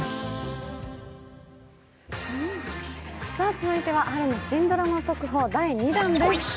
続いては、春の新ドラマ速報第２弾です。